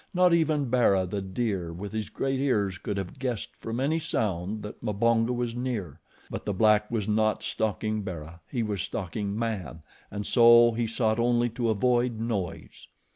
Not even Bara, the deer, with his great ears could have guessed from any sound that Mbonga was near; but the black was not stalking Bara; he was stalking man, and so he sought only to avoid noise.